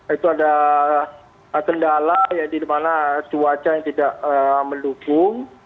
itu ada kendala di mana cuaca tidak mendukung